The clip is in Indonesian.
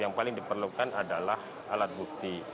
yang paling diperlukan adalah alat bukti